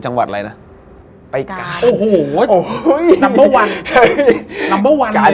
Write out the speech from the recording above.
นอนได้ไหม